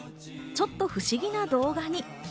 ちょっと不思議な動画に。